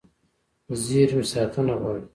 زېرمې ساتنه غواړي.